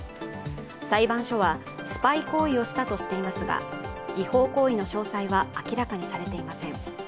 裁判所はスパイ行為をしたとしていますが違法行為の詳細は明らかにされていません。